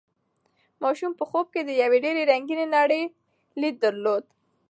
ماشوم په خوب کې د یوې ډېرې رنګینې نړۍ لید درلود.